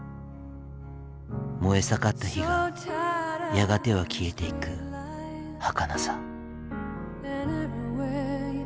燃え盛った火がやがては消えていくはかなさ。